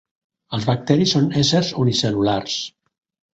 Els bacteris són éssers unicel·lulars.